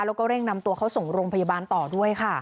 แล้วก็เร่งนำตัวเขาส่งโรงพยาบาลต่อด้วยค่ะ